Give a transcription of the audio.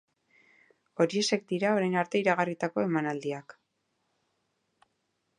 Horiexek dira orain arte iragarritako emanaldiak.